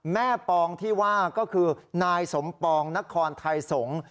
ปองที่ว่าก็คือนายสมปองนครไทยสงศ์